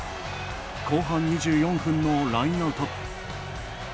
後半２４分のラインアウト。